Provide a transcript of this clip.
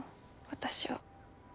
私は。